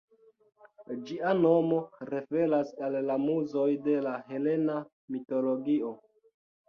Ĝia nomo referas al la Muzoj de la helena mitologio.